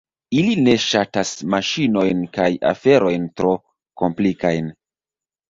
Ili ne ŝatas maŝinojn kaj aferojn tro komplikajn.